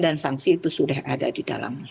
dan sangsi itu sudah ada di dalam